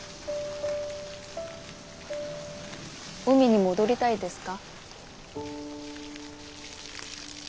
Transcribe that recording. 海に戻りたいですか？